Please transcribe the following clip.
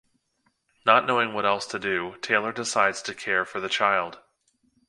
Not knowing what else to do, Taylor decides to care for the child.